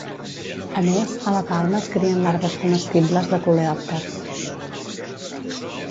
A més, a la palma es crien larves comestibles de coleòpters.